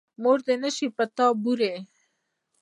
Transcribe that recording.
مور دې نه شي پر تا بورې.